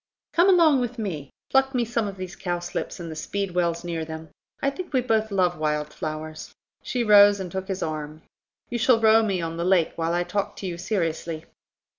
Come along with me; pluck me some of these cowslips, and the speedwells near them; I think we both love wild flowers." She rose and took his arm. "You shall row me on the lake while I talk to you seriously."